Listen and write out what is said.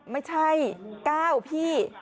ไม่ใช่๙พี่